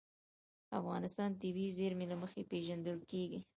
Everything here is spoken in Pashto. افغانستان د طبیعي زیرمې له مخې پېژندل کېږي.